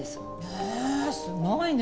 へえすごいね。